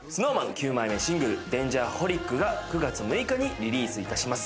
９枚目シングル『Ｄａｎｇｅｒｈｏｌｉｃ』が９月６日にリリースいたします。